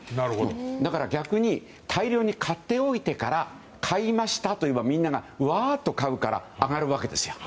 だから逆に大量に買っておいてから買いましたと言えばみんながうわーって買うから上がるわけですよね。